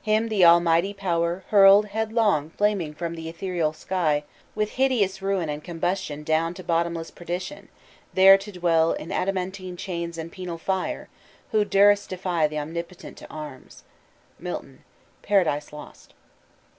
"Him the Almighty Power Hurl'd headlong flaming from th' ethereal sky With hideous ruin and combustion down To bottomless perdition, there to dwell In adamantine chains and penal fire, Who durst defy th' Omnipotent to arms." MILTON: _Paradise Lost.